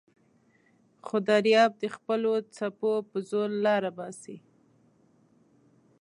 خو دریاب د خپلو څپو په زور لاره باسي.